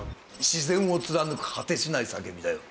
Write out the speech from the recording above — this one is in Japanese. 「自然を貫く果てしない叫び」だよ。